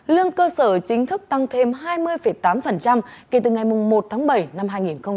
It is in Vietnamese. lương cơ sở chính thức tăng thêm hai mươi tám kể từ ngày một tháng bảy năm hai nghìn hai mươi